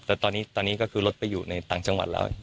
แต่ตอนนี้ก็คือรถไปอยู่ในต่างจังหวัดแล้ว